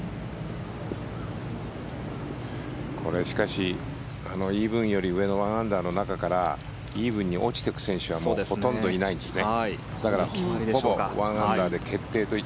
これ、しかしイーブンより上の１アンダーの中からイーブンに落ちてく選手はほとんどいないですね。